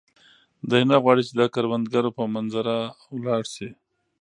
دی نه غواړي چې د کروندګرو په منظره ولاړ شي.